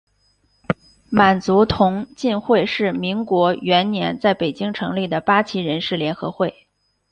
满族同进会是民国元年在北京成立的八旗人士联合会。